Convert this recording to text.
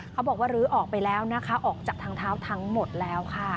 เขาบอกว่าลื้อออกไปแล้วนะคะออกจากทางเท้าทั้งหมดแล้วค่ะ